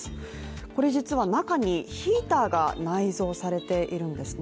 これ実は中にヒーターが内蔵されているんですね。